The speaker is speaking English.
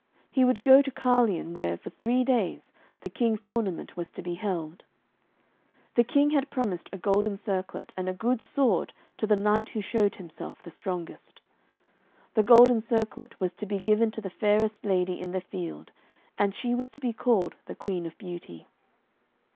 He would go to Carleon, where, for three days, the King's tournament was to be held. The King had promised a golden circlet and a good sword to the knight who showed himself the strongest. The golden circlet was to be given to the fairest lady in the field, and she was to be called the 'Queen of Beauty.'